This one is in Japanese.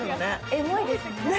エモいですね。